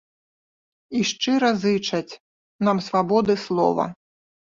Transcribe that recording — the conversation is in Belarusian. І шчыра зычаць нам свабоды слова.